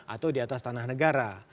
atau di atas tanah negara